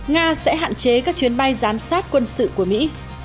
nga sẽ hạn chế các chuyến bay giám sát quân sự của mỹ